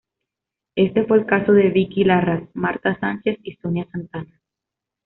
Este fue el caso de Vicky Larraz, Marta Sánchez y Sonia Santana.